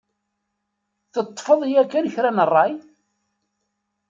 Teṭṭfeḍ yakan kra n rray?